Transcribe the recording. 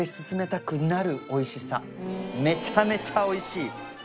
おいしさめちゃめちゃおいしい！